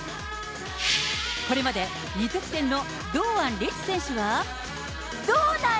これまで２得点の堂安律選手は、どうなん？